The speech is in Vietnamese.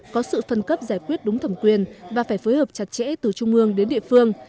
có sự phân cấp giải quyết đúng thẩm quyền và phải phối hợp chặt chẽ từ trung ương đến địa phương